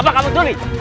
apa kamu peduli